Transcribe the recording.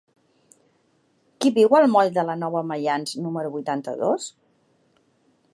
Qui viu al moll de la Nova Maians número vuitanta-dos?